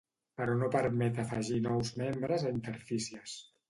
Però no permet afegir nous membres a interfícies.